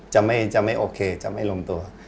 จะไม่โอเคจะไม่ลงตัว